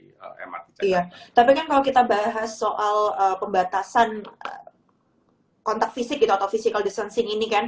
tapi kalau kita bahas soal pembatasan kontak fisik atau physical distancing ini